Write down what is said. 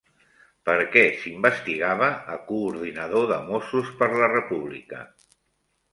Per què s'investigava a coordinador de Mossos per la República?